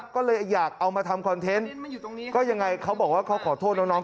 ก็เลยอยากเอามาทำคอนเทนต์ก็ยังไงเขาบอกว่าเขาขอโทษน้อง